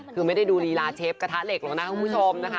คือไม่ได้ดูฤาราเชฟกระทะเหล็กแล้วนะคุณผู้ชม